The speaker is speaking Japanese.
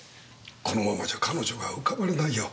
このままじゃ彼女が浮かばれないよ。